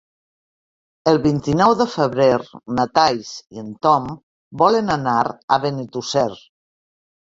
El vint-i-nou de febrer na Thaís i en Tom volen anar a Benetússer.